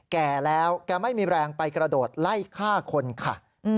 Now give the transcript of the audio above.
แก่แล้วแกไม่มีแรงไปกระโดดไล่ฆ่าคนค่ะ